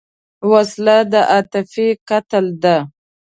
وسله د عاطفې قتل ده